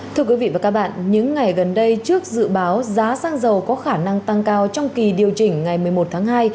thưa quý vị và các bạn những ngày gần đây trước dự báo giá xăng dầu có khả năng tăng cao trong kỳ điều chỉnh ngày một mươi một tháng hai